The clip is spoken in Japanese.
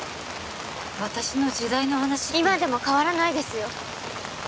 私の時代の話って今でも変わらないですよ